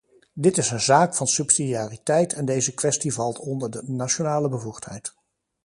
Dit is een zaak van subsidiariteit en deze kwestie valt onder de nationale bevoegdheid.